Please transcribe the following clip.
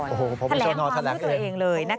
แถลงความด้วยเธอเองเลย